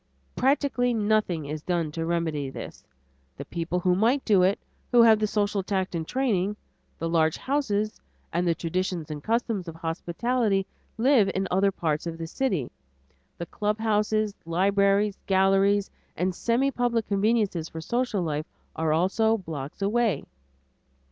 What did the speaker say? Practically nothing is done to remedy this. The people who might do it, who have the social tact and training, the large houses, and the traditions and customs of hospitality, live in other parts of the city. The club houses, libraries, galleries, and semi public conveniences for social life are also blocks away.